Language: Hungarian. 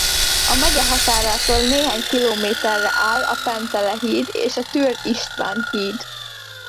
A megye határától néhány kilométerre áll a Pentele híd és a Türr István híd.